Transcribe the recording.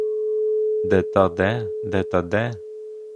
Де та де, де та де?